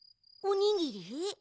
おにぎり？